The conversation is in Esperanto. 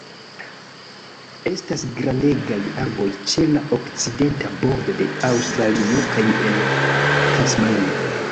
Estas grandegaj arboj ĉe la okcidenta bordo de Aŭstralio kaj en Tasmanio.